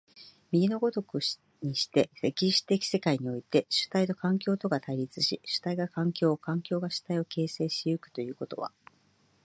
右の如くにして、歴史的世界において、主体と環境とが対立し、主体が環境を、環境が主体を形成し行くということは、